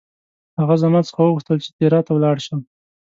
هغه زما څخه وغوښتل چې تیراه ته ولاړ شم.